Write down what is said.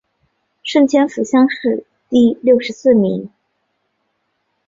顺天府乡试第六十四名。